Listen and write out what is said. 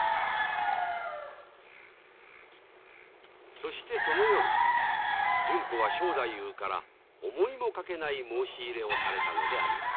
そしてその夜純子は正太夫から思いもかけない申し入れをされたのであります。